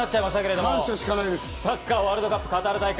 サッカーワールドカップカタール大会。